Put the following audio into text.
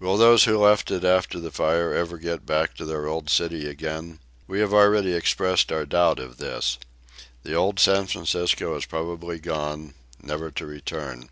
Will those who left it after the fire ever get back to their old city again? We have already expressed our doubt of this. The old San Francisco is probably gone, never to return.